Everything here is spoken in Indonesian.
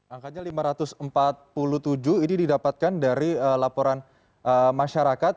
angkanya lima ratus empat puluh tujuh ini didapatkan dari laporan masyarakat